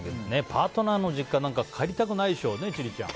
パートナーの実家なんか帰りたくないでしょう千里ちゃん。